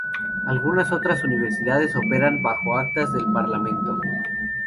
Algunas otras universidades operan bajo Actas del Parlamento.